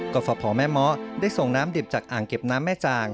ก่อนฝ่าแม่ม้อได้ส่งน้ำเด็บจากอ่างเก็บน้ำแม่จาง